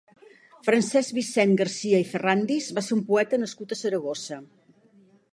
Francesc Vicent Garcia i Ferrandis va ser un poeta nascut a Saragossa.